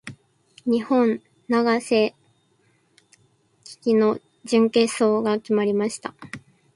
日本・永瀬貴規の準決勝が始まりました。